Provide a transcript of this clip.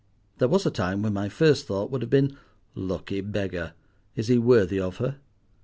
There was a time when my first thought would have been, "Lucky beggar! is he worthy of her?"